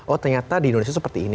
oh ternyata di indonesia seperti ini